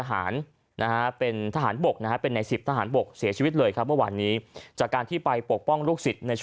ก่อนเกิดเหตุนักเรียนใน๑๐